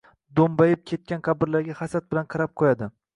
Doʻmbayib ketgan qabrlarga hasad bilan qarab qoʻyadi.